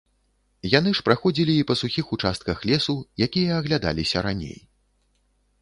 Яны ж праходзілі і па сухіх участках лесу, якія аглядаліся раней.